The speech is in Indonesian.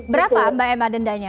berapa mbak emma dendanya